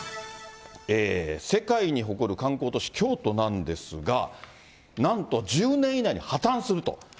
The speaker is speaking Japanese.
世界に誇る観光都市、京都なんですが、なんと１０年以内に破綻すると。